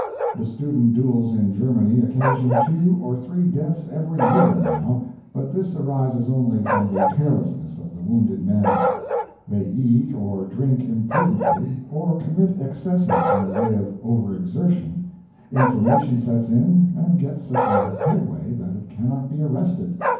The student duels in Germany occasion two or three deaths every year, now, but this arises only from the carelessness of the wounded men; they eat or drink imprudently, or commit excesses in the way of overexertion; inflammation sets in and gets such a headway that it cannot be arrested.